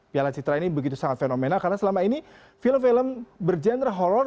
piala citra ini begitu sangat fenomenal karena selama ini film film bergenre horror